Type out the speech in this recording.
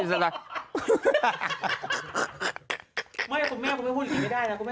ไม่คุณแม่คุณไม่พูดอีกไม่ได้นะ